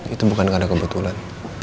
itu bukan karena kebetulan